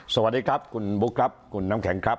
สวัสดีครับคุณบุ๊คครับคุณน้ำแข็งครับ